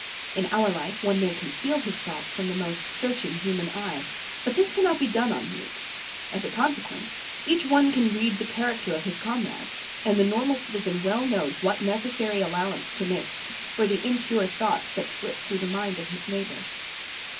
In our life one may conceal his thoughts from the most searching human eye, but this cannot be done on Mute. As a consequence each one can read the character of his comrades, and the normal citizen well knows what necessary allowance to make for the impure thoughts that flit through the mind of his neighbor.